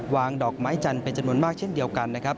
วางดอกไม้จันทร์เป็นจำนวนมากเช่นเดียวกันนะครับ